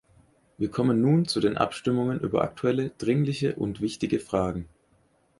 Wir kommen nun zu den Abstimmungen über aktuelle, dringliche und wichtige Fragen.